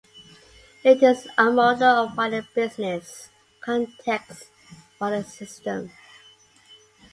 It is a model of wider business context for the system.